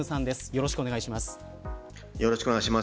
よろしくお願いします。